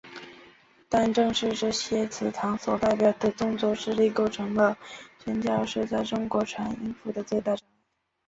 但正是这些祠堂所代表的宗族势力构成了宣教士在中国传福音的最大障碍。